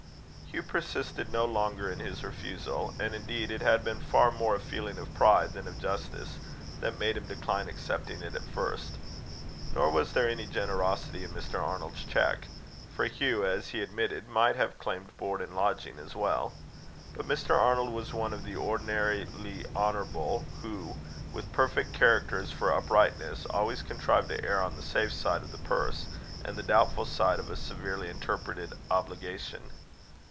Hugh persisted no longer in his refusal; and indeed it had been far more a feeling of pride than of justice that made him decline accepting it at first. Nor was there any generosity in Mr. Arnold's cheque; for Hugh, as he admitted, might have claimed board and lodging as well. But Mr. Arnold was one of the ordinarily honourable, who, with perfect characters for uprightness, always contrive to err on the safe side of the purse, and the doubtful side of a severely interpreted obligation.